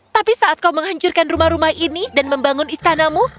tapi saat kau menghancurkan rumah rumah ini dan membangun istanamu